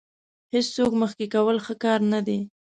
هېڅوک مخکې کول ښه کار نه دی.